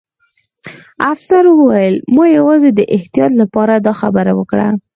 افسر وویل چې ما یوازې د احتیاط لپاره دا خبره وکړه